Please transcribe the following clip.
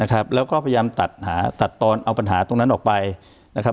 แล้วก็พยายามตัดหาตัดตอนเอาปัญหาตรงนั้นออกไปนะครับ